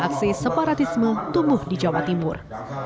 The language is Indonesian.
ketua suku di jawa timur